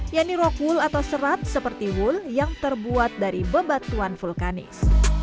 yaitu rock wool atau serat seperti wool yang terbuat dari bebatuan vulkanis